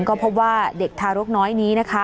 ก็พบว่าเด็กทารกน้อยนี้นะคะ